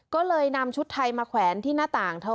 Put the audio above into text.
ก็เลยนำชุดไทยมาแขวนที่หน้าต่างเธอ